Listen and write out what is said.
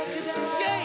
イェイ！